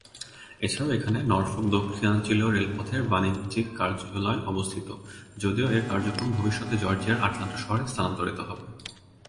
এছাড়াও এখানে নরফোক দক্ষিণাঞ্চলীয় রেলপথের বাণিজ্যিক কার্যালয় অবস্থিত, যদিও এর কার্যক্রম ভবিষ্যতে জর্জিয়ার আটলান্টা শহরে স্থানান্তরিত হবে।